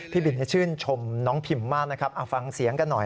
พี่บินชื่นชมน้องพิมพ์มากอฟังเสียงกันหน่อย